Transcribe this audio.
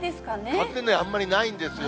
風ね、あんまりないんですよ。